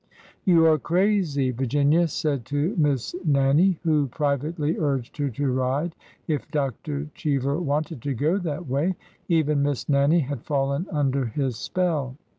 You are crazy !'' Virginia said to Miss Nannie, who privately urged her to ride if Dr. Cheever wanted to go that way,— even Miss Nannie had fallen under his spell.